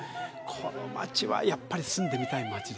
この街はやっぱり住んでみたい街ですね